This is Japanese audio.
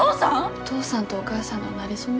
お父さんとお母さんのなれ初め？